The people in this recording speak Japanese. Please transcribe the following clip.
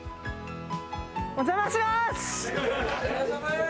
お邪魔します！